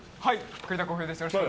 栗田航兵です。